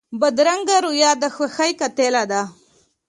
بدرنګه رویه د خوښۍ قاتله ده